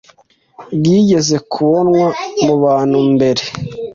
bwigeze kubonwa mu bantu mbere